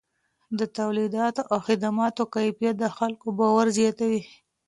د توليداتو او خدماتو کیفیت د خلکو باور زیاتوي.